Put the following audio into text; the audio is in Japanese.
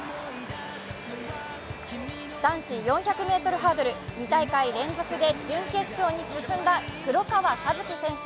男子４００ｍハードル２大会連続で準決勝に進んだ黒川和樹選手。